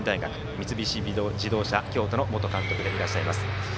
三菱自動車京都の元監督でいらっしゃいます。